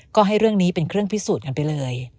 ก็ให้เรื่องนี้เป็นเครื่องพิสูจน์กันไปเลย